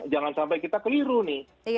jangan sampai kita keliru nih